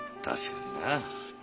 確かにな。